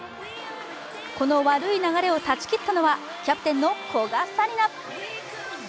この悪い流れを断ち切ったのはキャプテンの古賀紗理那。